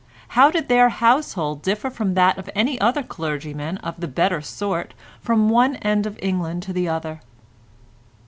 How did their household differ from that of any other clergyman of the better sort from one end of England to the other?